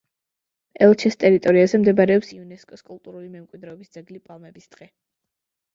ელჩეს ტერიტორიაზე მდებარეობს იუნესკოს კულტურული მემკვიდრეობის ძეგლი პალმების ტყე.